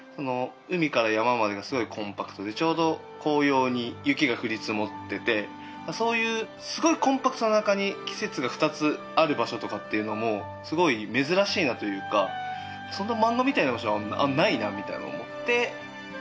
海から山までがすごくコンパクトでちょうど紅葉に雪が降り積もっていてそういうすごくコンパクトな中に季節が２つある場所とかっていうのもすごく珍しいなというかそんな漫画みたいな場所はないなみたいに思って。